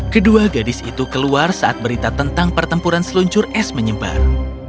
kedua gadis itu keluar saat berita tentang pertempuran seluncur es menyebar